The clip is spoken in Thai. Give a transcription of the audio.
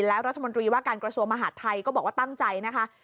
แล้วรัฐมนตรีว่าการกระทรวงมหาดไทยก็บอกว่าตั้งใจนะคะ